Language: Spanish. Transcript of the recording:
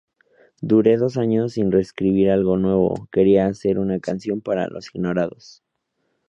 Dure dos años sin escribir algo nuevo, quería hacer una canción para los ignorados.